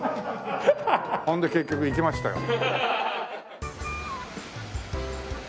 ほんで結局行きましたよ。